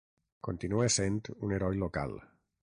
Continua essent un heroi local.